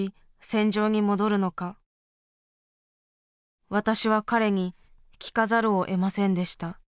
私は彼に聞かざるをえませんでした。